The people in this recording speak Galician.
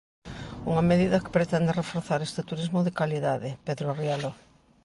Unha medida que pretende reforzar este turismo de calidade, Pedro Rielo.